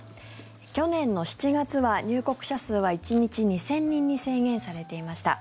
去年の７月は入国者数は１日２０００人に制限されていました。